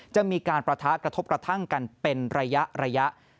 จะมีการประทะกระทบกระทั่งกันเป็นระยะ